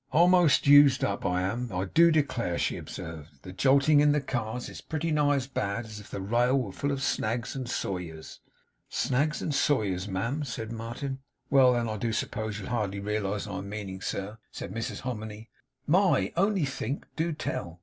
'A'most used up I am, I do declare!' she observed. 'The jolting in the cars is pretty nigh as bad as if the rail was full of snags and sawyers.' 'Snags and sawyers, ma'am?' said Martin. 'Well, then, I do suppose you'll hardly realise my meaning, sir,' said Mrs Hominy. 'My! Only think! DO tell!